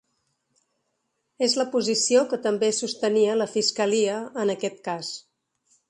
És la posició que també sostenia la fiscalia en aquest cas.